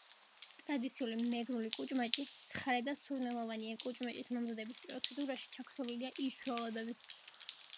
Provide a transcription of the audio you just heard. ტრადიციული მეგრული კუჭმაჭი ცხარე და სურნელოვანია. კუჭმაჭის მომზადების პროცედურაში ჩაქსოვილია ის ჩვეულებები